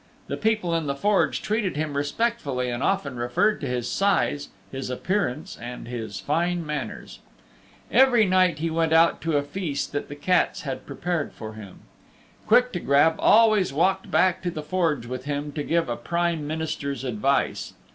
The people in the Forge treated him respectfully and often referred to his size, his appearance and his fine manners. Every night he went out to a feast that the cats had prepared for him. Quick to Grab always walked back to the Forge with him to give a Prime Minister's advice.